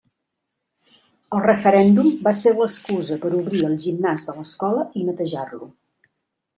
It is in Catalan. El referèndum va ser l'excusa per obrir el gimnàs de l'escola i netejar-lo.